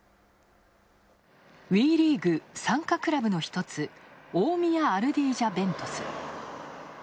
ＷＥリーグ、参加クラブの一つ、大宮アルディージャＶＥＮＴＵＳ。